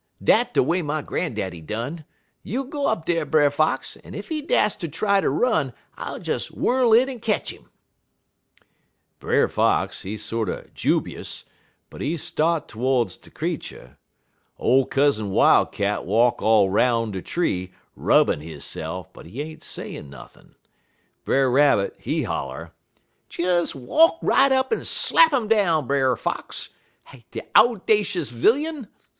Dat de way my gran'daddy done. You go up dar, Brer Fox, en ef he dast ter try ter run, I'll des whirl in en ketch 'im.' "Brer Fox, he sorter jub'ous, but he start todes de creetur. Ole Cousin Wildcat walk all 'roun' de tree, rubbin' hisse'f, but he ain't sayin' nothin'. Brer Rabbit, he holler: "'Des walk right up en slap 'im down, Brer Fox de owdashus vilyun!